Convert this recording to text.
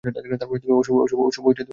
অশুভ স্বপ্নের সাথে!